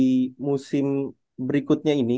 menarik untuk dilihat di musim berikutnya ini